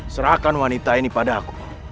serahkan wanita ini padaku